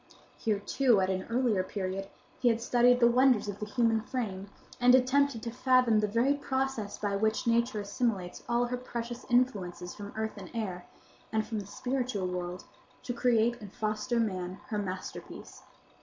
Here, too, at an earlier period, he had studied the wonders of the human frame, and attempted to fathom the very process by which Nature assimilates all her precious influences from earth and air, and from the spiritual world, to create and foster man, her masterpiece.